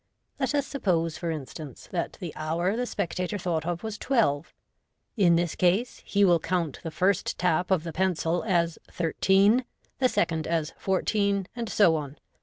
Let us suppose, for instance, that the hour the spectator thought of was twelve. In this case he will count the first tap of the pencil as thir. teen, the second as fourteen, and so on.